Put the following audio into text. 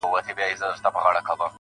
د آتشي غرو د سکروټو د لاوا لوري